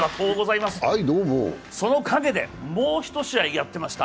その陰でもう１試合やってました。